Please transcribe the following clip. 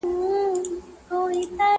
اورنګ زېب ویل پر ما یو نصیحت دی،